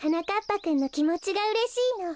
ぱくんのきもちがうれしいの。